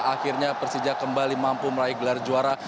akhirnya persija kembali mampu meraih gelar juara